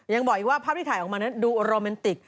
ยังบอกอีกว่าภาพที่ถ่ายออกมานั้นดูโรแมนติก